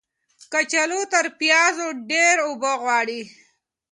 کچالو تر پیازو ډیرې اوبه غواړي.